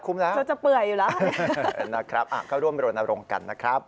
แล้วเธอจะเปื่อยอยู่แล้วนะครับก็ร่วมรณรงค์กันนะครับ